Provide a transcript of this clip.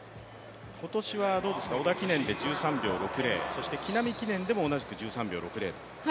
今年は織田記念で１３秒６０、そして木南記念でも同じく１３秒６０という。